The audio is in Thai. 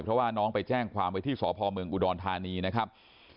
เพราะว่าน้องไปแจ้งความไว้ที่สพเมืองอุดรธานีนะครับ